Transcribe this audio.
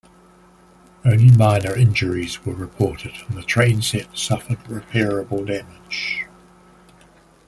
Only minor injuries were reported, and the trainset suffered repairable damage.